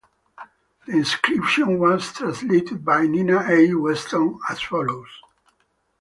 The inscription was translated by Nina E. Weston as follows.